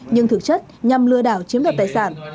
nhưng thực chất nhằm lừa đảo chiếm đoạt tài sản